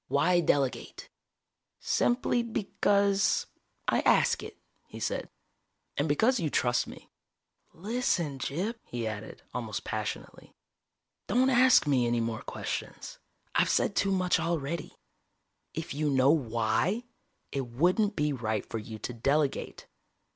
Why delegate?" "Simply because, I ask it," he said. "And because you trust me. Listen, Gyp," he added, almost passionately. "Don't ask me any more questions. I've said too much already. If you know why, it wouldn't be right for you to delegate.